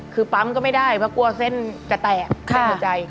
คือปั๊มก็ไม่ได้เพราะกลัวเส้นจะแตกเส้นหัวใจ